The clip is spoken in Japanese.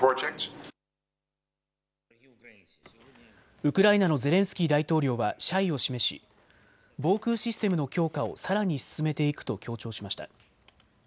ウクライナのゼレンスキー大統領は謝意を示し防空システムの強化をさらに進めていくと強調しました。